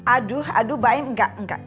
aduh aduh mbak im nggak enggak